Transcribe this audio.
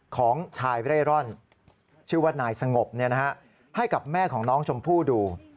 ของชายเร่ร่อนชื่อว่านายสงบให้กับแม่ของน้องชมพู่ดู